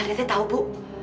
aldetnya tahu bu